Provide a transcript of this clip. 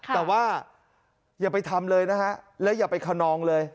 แต่ว่าอย่าไปทำเลยนะฮะและอย่าไปขนองเลย